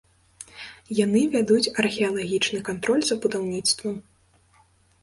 Яны вядуць археалагічны кантроль за будаўніцтвам.